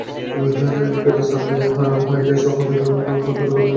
Cats Eye, Urban Truth, আইডিয়াসসহ অনেক গয়নার দোকানেও খুঁজলে পেয়ে যাবেন বিব নেকলেস।